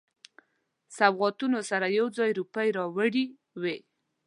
سوغاتونو سره یو ځای روپۍ راوړي وې.